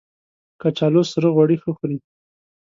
کچالو سره غوړي ښه خوري